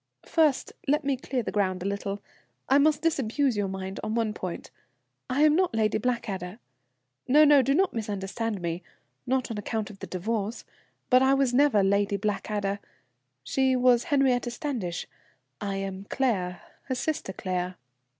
First let me clear the ground a little. I must disabuse your mind on one point. I am not Lady Blackadder no, no, do not misunderstand me not on account of the divorce, but I never was Lady Blackadder. She was Henriette Standish. I am Claire, her sister Claire."